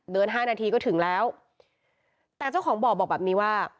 ห้านาทีก็ถึงแล้วแต่เจ้าของบ่อบอกแบบนี้ว่า